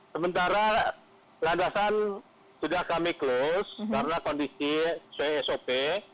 sementara landasan sudah kami close karena kondisi csop